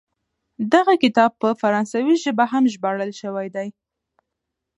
دغه کتاب په فرانسوي ژبه هم ژباړل سوی دی.